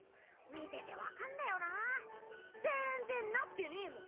見てて分かんだよなぁ全然なってねぇもん。